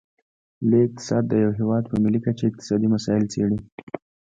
لوی اقتصاد د یو هیواد په ملي کچه اقتصادي مسایل څیړي